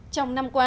trong năm qua